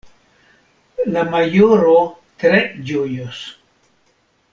La majoro tre ĝojos.